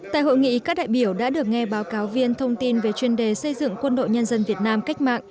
tại hội nghị các đại biểu đã được nghe báo cáo viên thông tin về chuyên đề xây dựng quân đội nhân dân việt nam cách mạng